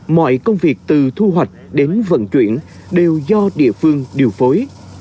mọi công việc từ thu hoạch đến vận chuyển đều do địa phương điều phối